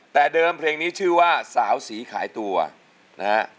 แต่เดิมเพลงนี้ชื่อว่าสาวสีขายตัวนะฮะ